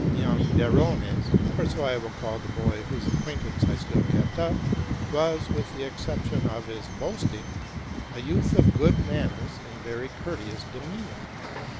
Young Derones, for so I will call the boy whose acquaintance I still kept up, was, with the exception of his boasting, a youth of good manners and very courteous de meanor.